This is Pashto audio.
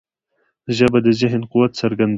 ژبه د ذهن قوت څرګندوي